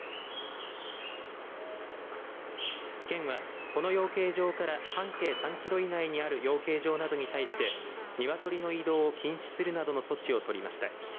県は、この養鶏場から半径３キロ以内にある養鶏場などに対してニワトリの移動を禁止するなどの措置をとりました。